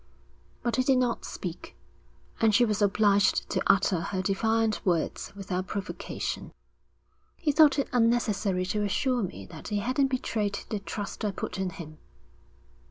But he did not speak, and she was obliged to utter her defiant words without provocation. 'He thought it unnecessary to assure me that he hadn't betrayed the trust I put in him.'